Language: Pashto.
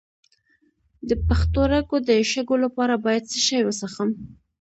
د پښتورګو د شګو لپاره باید څه شی وڅښم؟